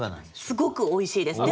すごくおいしいです。